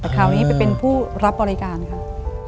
แต่คราวนี้ไปเป็นผู้รับบริการค่ะ